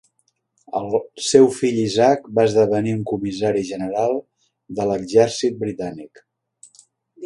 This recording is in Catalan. El seu fill Isaac va esdevenir un comissari general de l'exercit britànic.